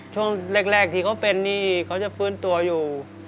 ช่วงแรกที่เขาเป็นนี่เขาจะฟื้นตัวอยู่